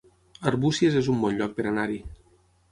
Arbúcies es un bon lloc per anar-hi